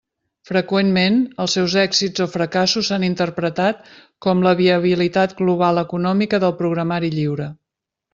Freqüentment, els seus èxits o fracassos s'han interpretat com la viabilitat global econòmica del programari lliure.